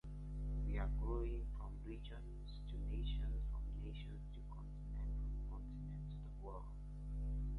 He is also an eminent critic and essayist.